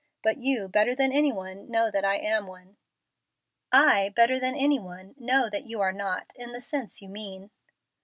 But you, better than any one, know that I am one." "I, better than any one, know that you are not, in the sense you mean."